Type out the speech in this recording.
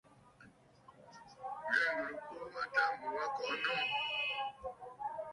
Ghɛ̀ɛ nlɨgə ɨkuu wa tâ mu wa kɔʼɔ nɔŋə.